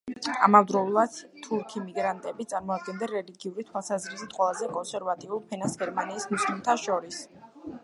ამავდროულად თურქი მიგრანტები წარმოადგენენ რელიგიური თვალსაზრისით ყველაზე კონსერვატიულ ფენას გერმანიის მუსლიმთა შორის.